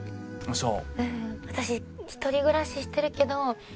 そう。